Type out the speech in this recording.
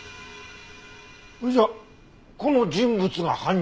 それじゃあこの人物が犯人！？